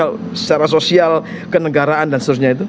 secara sosial kenegaraan dan seterusnya itu